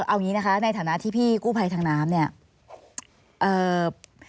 เอาอย่างนี้นะคะในฐานะที่พี่กู้ภัยทางน้ำเนี่ย